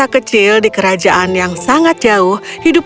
kerajaan yang sangat jauh